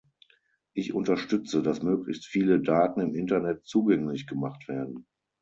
Ich unterstütze, dass möglichst viele Daten im Internet zugänglich gemacht werden.